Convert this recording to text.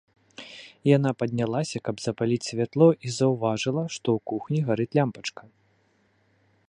Яна паднялася, каб запаліць святло, і заўважыла, што ў кухні гарыць лямпачка.